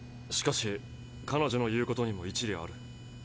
しかし彼女の言うことにも一理ある。